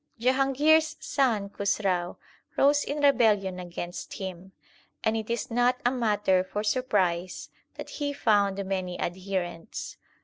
Jahangir s son Khusrau rose in rebellion against him, and it is not a matter for surprise that he found many adherents.